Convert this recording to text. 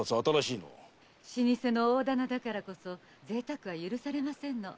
老舗の大店だからこそ贅沢は許されませんの。